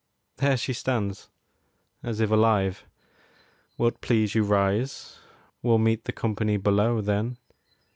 There she stands As if alive. Will't please you rise? We'll meet The company below, then.